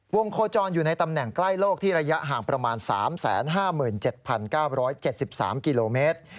โคจรอยู่ในตำแหน่งใกล้โลกที่ระยะห่างประมาณ๓๕๗๙๗๓กิโลเมตร